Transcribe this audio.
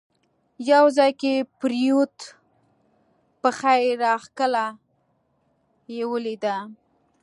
یو ځای کې پرېوت، پښه یې راکښله، یې ولیده.